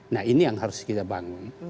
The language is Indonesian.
nah ini yang harus kita bangun